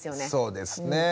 そうですね。